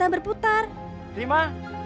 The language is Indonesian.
disini ada yang fita